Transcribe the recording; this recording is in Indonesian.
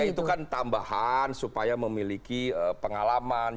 itu kan tambahan supaya memiliki pengalaman